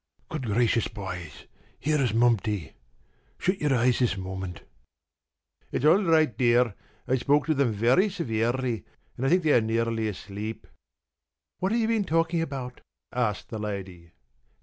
p> "Good gracious, boys, here's Mumty. Shut your eyes this moment. It's all right, dear. I spoke to them very severely and I think they are nearly asleep." "What have you been talking about?" asked the Lady.